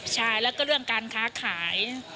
ใช่แล้วก็เรื่องการค้าขาย